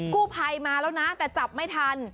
กู้ภัยมาแล้วนะแต่จับไม่ทัน